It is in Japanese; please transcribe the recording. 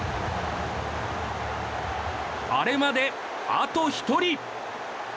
アレまで、あと１人！